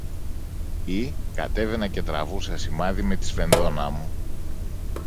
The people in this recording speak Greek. ή κατέβαινα και τραβούσα σημάδι με τη σφενδόνα μου